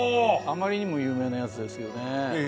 あまりにも有名なやつですよね。